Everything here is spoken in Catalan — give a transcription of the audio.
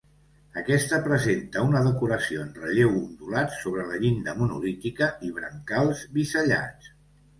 Aquesta presenta una decoració en relleu ondulat sobre la llinda monolítica i brancals bisellats.